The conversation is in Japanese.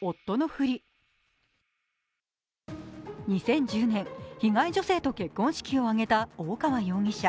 ２０１０年、被害女性と結婚式を挙げた大川容疑者。